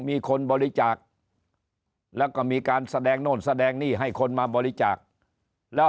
มีคนบริจาคแล้วก็มีการแสดงโน่นแสดงหนี้ให้คนมาบริจาคแล้ว